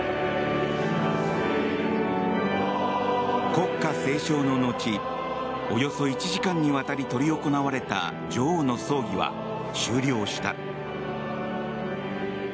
国歌斉唱の後およそ１時間にわたり執り行われた女王の葬儀は終了した。